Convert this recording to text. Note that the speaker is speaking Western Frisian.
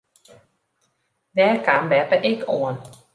Dêr kaam beppe ek oan.